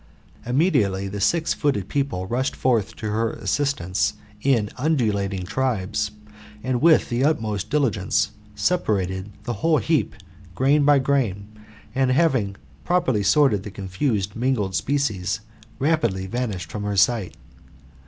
Immediately the six footed people rushed forth to her assistance in undulating tribes, and with the utmost diligence separated the whole heap, grain by grain, and, having properly sorted the confusedly mingled species, rapidly vanished from her sight.